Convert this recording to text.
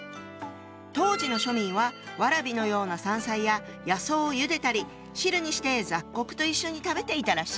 当時の庶民はワラビのような山菜や野草をゆでたり汁にして雑穀と一緒に食べていたらしいの。